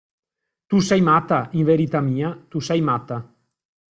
Tu sei matta, in verità mia, tu sei matta!